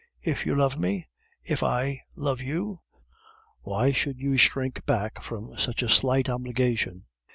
If you love me, if I love you, why should you shrink back from such a slight obligation?